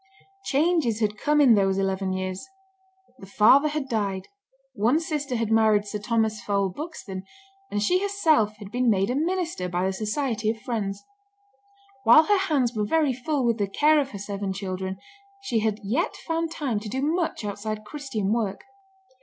Changes had come in those eleven years. The father had died; one sister had married Sir Thomas Fowell Buxton, and she herself had been made a "minister" by the Society of Friends. While her hands were very full with the care of her seven children, she had yet found time to do much outside Christian work.